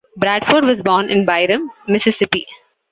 Bradford was born in Byram, Mississippi.